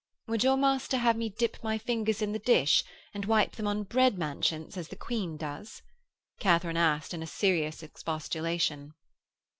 'Would your master have me dip my fingers in the dish and wipe them on bread manchets as the Queen does?' Katharine asked in a serious expostulation.